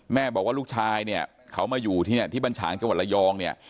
แม่บอกว่าลูกชายเนี่ยเขามาอยู่ที่เนี่ยที่บรรฉางจังหวัดระยองเนี่ย